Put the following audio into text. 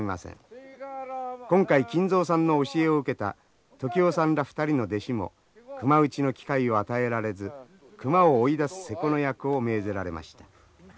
今回金蔵さんの教えを受けた時男さんら２人の弟子も熊撃ちの機会を与えられず熊を追い出す勢子の役を命ぜられました。